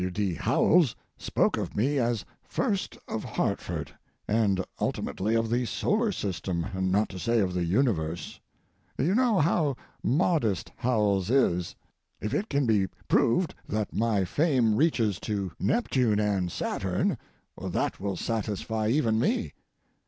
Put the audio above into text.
W. D. Howells spoke of me as first of Hartford, and ultimately of the solar system, not to say of the universe: You know how modest Howells is. If it can be proved that my fame reaches to Neptune and Saturn; that will satisfy even me.